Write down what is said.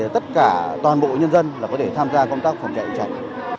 tất cả toàn bộ nhân dân là có thể tham gia công tác phòng cháy cháy